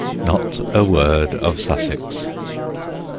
Not a word of Sussex.